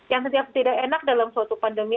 yang tidak enak dalam suatu pandemi